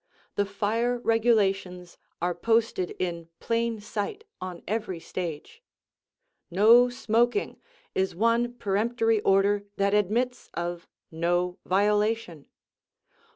The fire regulations are posted in plain sight on every stage. "No smoking" is one peremptory order that admits of no violation.